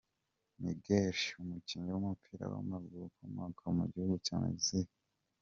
Miguel Layún, umukinnyi w’umupira w’amaguru ukomoka mu gihugu cya Mexique.